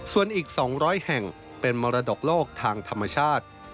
ส่วนอีก๒๐๐แห่งเป็นมรดกโลกทางธรรมชาติ